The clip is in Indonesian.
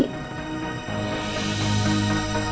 kita sudah selesai